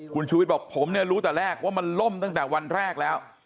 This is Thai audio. คุณชูวิทย์บอกผมเนี่ยรู้แต่แรกว่ามันล่มตั้งแต่วันแรกแล้ว